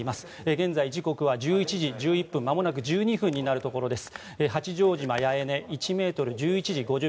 現在時刻は１１時１１分まもなく１２分になるところです。